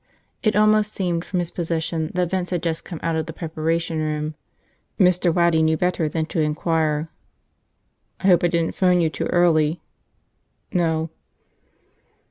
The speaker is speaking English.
It almost seemed, from his position, that Vince had just come out of the preparation room. Mr. Waddy knew better than to inquire. "I hope I didn't phone you too early." "No."